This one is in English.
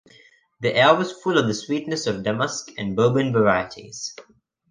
The air was full of the sweetness of Damask and Bourbon varieties.